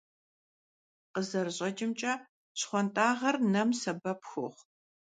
КъызэрыщӀэкӀымкӀэ, щхъуантӀагъэр нэм сэбэп хуохъу.